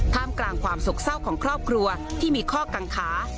กลางความโศกเศร้าของครอบครัวที่มีข้อกังขา